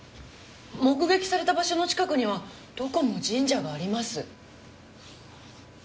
目撃された場所の近くにはどこも神社があります。